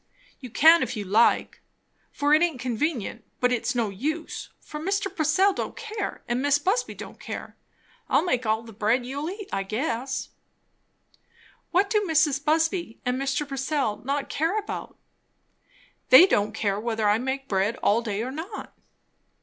"You can if you like, for it aint convenient; but it's no use; for Mr. Purcell don't care, and Mis' Busby don't care. I'll make all the bread you'll eat; I guess." "What do Mrs. Busby and Mr. Purcell not care about?" "They don't care whether I make bread all day, or not."